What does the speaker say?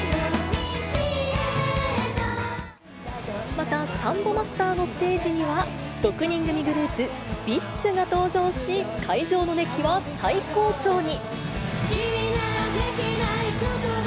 また、サンボマスターのステージには、６人組グループ、ＢｉＳＨが登場し、会場の熱気は最高潮に。